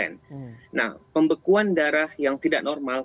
nah pembekuan darah yang tidak normal